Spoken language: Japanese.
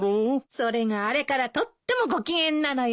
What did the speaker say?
それがあれからとってもご機嫌なのよ。